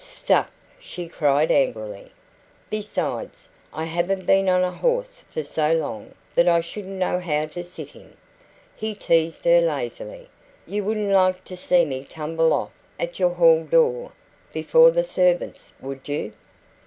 "Stuff!" she cried angrily. "Besides, I haven't been on a horse for so long that I shouldn't know how to sit him," he teased her lazily. "You wouldn't like to see me tumble off at your hall door, before the servants, would you?"